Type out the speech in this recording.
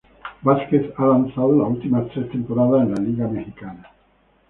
Vásquez ha lanzado las últimas tres temporadas en la Liga Mexicana.